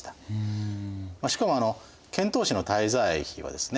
しかも遣唐使の滞在費はですね